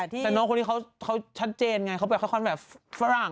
ทีนี้เขาชัดเจนไงเขาแบบฝรั่ง